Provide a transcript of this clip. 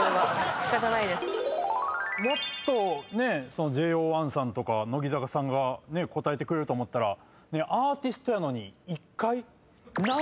もっとねＪＯ１さんとか乃木坂さんが答えてくれると思ったらアーティストやのに１階？